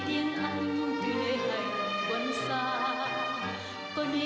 dù hẹn nhau chưa một lời